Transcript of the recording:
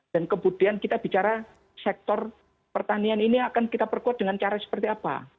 dan kemudian kita bicara sektor pertanian ini akan kita perkuat dengan cara seperti apa